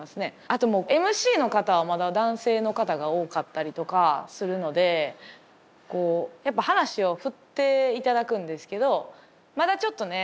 あともうＭＣの方はまだ男性の方が多かったりとかするのでこうやっぱ話を振っていただくんですけどまだちょっとね